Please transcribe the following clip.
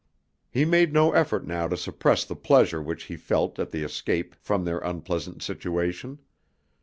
He made no effort now to suppress the pleasure which he felt at the escape from their unpleasant situation.